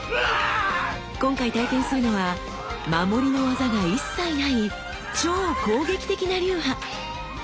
今回体験するのは守りの技が一切ない超攻撃的な流派。